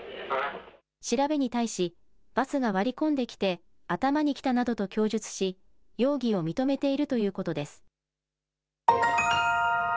調べに対し、バスが割り込んできて、頭にきたなどと供述し、容疑を認めているということです。